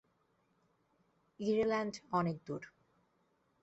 Ireland অনেক দূর।